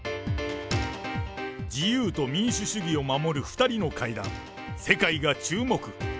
自由と民主主義を守る２人の会談、世界が注目。